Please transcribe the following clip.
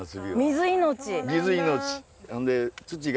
水命。